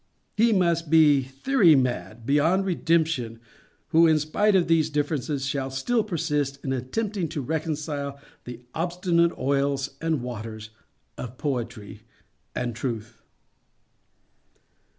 He must be theory mad beyond redemption who, in spite of these differences, shall still persist in attempting to reconcile the obstinate oils and waters of Poetry and Truth.